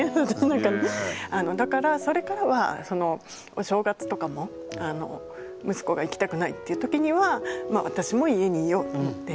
だからそれからはお正月とかも息子が行きたくないっていう時には私も家にいようと思って。